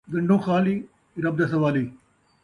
ڳن٘ڈھوں خالی ، رب دا سوالی